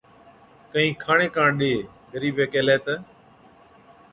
ڪهِين کاڻي ڪاڻ ڏي۔ غريبَي ڪيهلَي تہ،